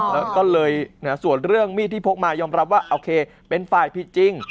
แล้วก็เลยส่วนเรื่องมีดที่พกมายอมรับว่าโอเคเป็นฝ่ายผิดจริง